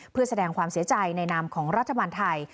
เพื่อแสดงความเสียใจในนามของรัฐบาลไทย